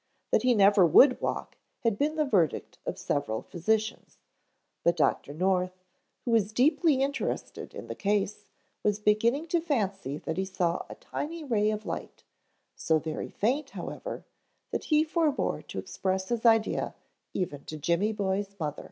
That he never would walk had been the verdict of several physicians, but Dr. North, who was deeply interested in the case, was beginning to fancy that he saw a tiny ray of light, so very faint, however, that he forbore to express his idea even to Jimmy boy's mother.